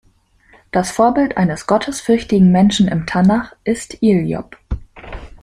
Das Vorbild eines gottesfürchtigen Menschen im Tanach ist Ijob.